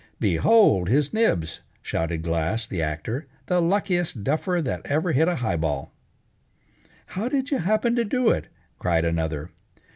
"Behold His Nibs!" shouted Glass, the actor, "the luckiest duffer that ever hit a high ball!" "How did you happen to do it?" cried another.